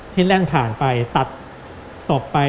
แล่นผ่านไปตัดศพไป